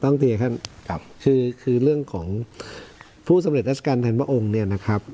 น้องเตียค่ะคือเรื่องของผู้สำเร็จรัชการธรรมองค์